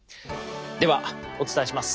ではお伝えします。